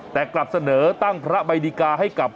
แต่กลับเสนอตั้งพระใบดิกาให้กับ